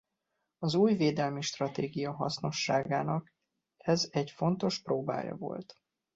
Az új védelmi stratégia hasznosságának ez egy fontos próbája volt.